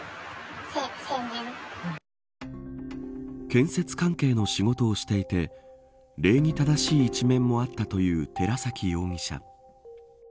建設関係の仕事をしていて礼儀正しい一面もあったという寺崎容疑者。